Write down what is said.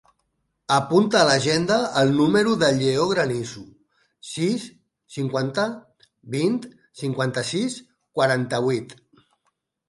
Apunta a l'agenda el número del Lleó Granizo: sis, cinquanta, vint, cinquanta-sis, quaranta-vuit.